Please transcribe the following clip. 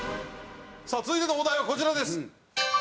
さあ続いてのお題はこちらです。